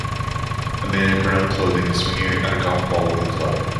A man in brown clothing is swinging at a golf ball with a club.